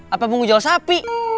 apa mau jual sapi